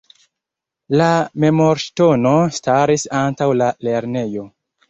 La memorŝtono staris antaŭ la lernejo.